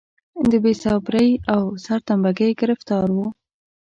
د بې صبرۍ او سرتمبه ګۍ ګرفتار و.